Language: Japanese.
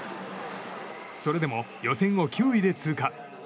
それでも予選を９位で通過。